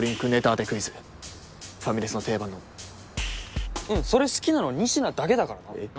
当てクイズファミレスの定番のうんそれ好きなの仁科だけだからなえっ？